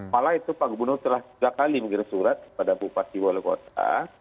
pala itu pak gubernur telah tiga kali mengirim surat pada bupati wolekota